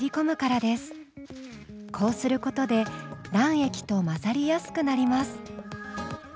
こうすることで卵液と混ざりやすくなります。